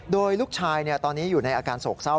โดยลูกชายตอนนี้อยู่ในอาการโศกเศร้า